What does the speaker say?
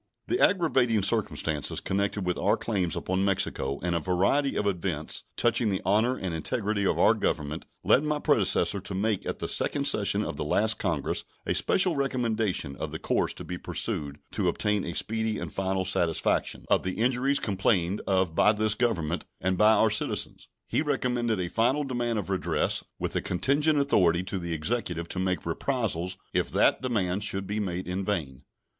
The aggravating circumstances connected with our claims upon Mexico and a variety of events touching the honor and integrity of our Government led my predecessor to make at the second session of the last Congress a special recommendation of the course to be pursued to obtain a speedy and final satisfaction of the injuries complained of by this Government and by our citizens. He recommended a final demand of redress, with a contingent authority to the Executive to make reprisals if that demand should be made in vain.